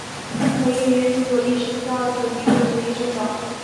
统一民主左翼是希腊的一个左翼政党。